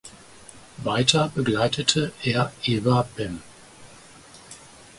Weiter begleitete er Ewa Bem.